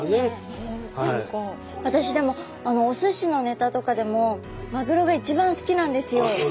私でもお寿司のネタとかでもマグロが一番好きなんですよ。